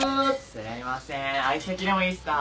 すいません相席でもいいっすか？